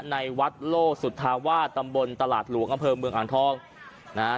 ในวัดโลสุธาวาสตำบลตลาดหลวงอำเภอเมืองอ่างทองนะฮะ